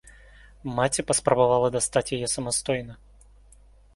Маці паспрабавала дастаць яе самастойна.